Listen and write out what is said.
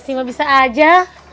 sesi mau bisa aja